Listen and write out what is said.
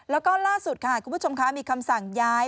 แล้วก็ล่าสุดค่ะคุณผู้ชมคะมีคำสั่งย้าย